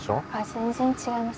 全然ちがいます。